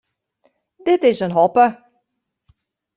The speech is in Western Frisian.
Dit is in hoppe.